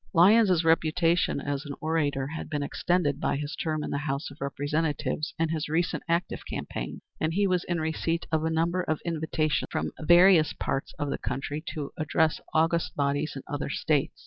Lyons's reputation as an orator had been extended by his term in the House of Representatives and his recent active campaign, and he was in receipt of a number of invitations from various parts of the country to address august bodies in other States.